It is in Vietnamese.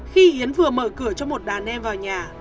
khi yến vừa mở cửa cho một đàn em vào nhà